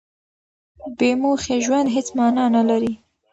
بې موخې ژوند هېڅ مانا نه لري.